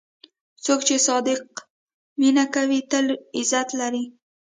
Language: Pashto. څوک چې صادق مینه کوي، تل عزت لري.